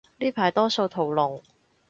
呢排多數屠龍